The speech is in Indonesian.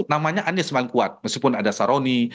namanya anies memang kuat meskipun ada saroni